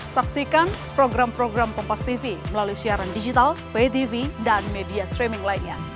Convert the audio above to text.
saksikan program program kompastv melalui siaran digital vtv dan media streaming lainnya